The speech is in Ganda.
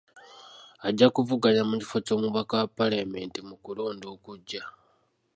Ajja kuvuganya ku kifo ky'omubaka wa paalamenti mu kulonda okujja.